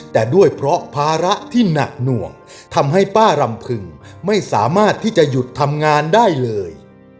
แต่ด้วยเพราะภาระที่หนักหน่วงทำให้ป้ารำพึงไม่สามารถที่จะหยุดทำงานได้เลย